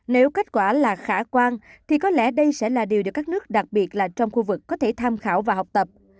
nếu kết quả là khả quan thì có lẽ đây sẽ là điều được các nước đặc biệt là trong khu vực có thể tham khảo và học tập